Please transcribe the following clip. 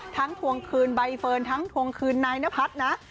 ทวงคืนใบเฟิร์นทั้งทวงคืนนายนพัฒน์นะ